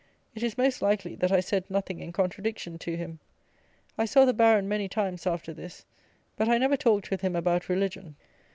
It is most likely that I said nothing in contradiction to him. I saw the Baron many times after this, but I never talked with him about religion.